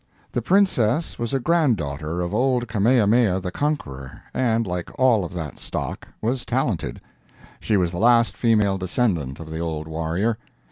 The Princess was a granddaughter of old Kamehameha the Conqueror, and like all of that stock, was talented. She was the last female descendant of the old warrior.